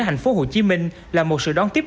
thành phố hồ chí minh là một sự đón tiếp